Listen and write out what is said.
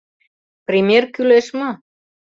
Пример кӱлеш мо?